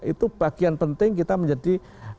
itu bagian penting kita menjadi